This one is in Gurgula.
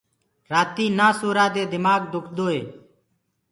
رآتي نآ سورآ دي دمآڪ دُکدوئي